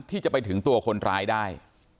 ที่จะไปถึงตัวคนร้ายได้